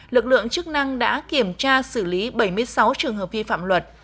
lực lượng chức năng đã kiểm tra xử lý bảy mươi sáu trường hợp vi phạm luật